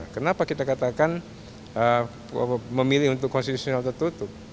kenapa kita katakan memilih untuk konstitusional tertutup